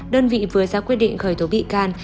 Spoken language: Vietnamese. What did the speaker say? đơn vị vừa ra quyết định khởi tố bị can